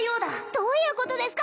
どういうことですか！